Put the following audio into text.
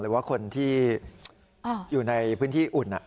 หรือว่าคนที่อยู่ในพื้นที่อุ่น